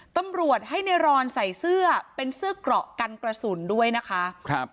ตำรวจให้ในรอนใส่เสื้อเป็นเสื้อเกราะกันกระสุนด้วยนะคะครับ